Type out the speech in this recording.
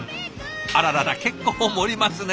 あららら結構盛りますね。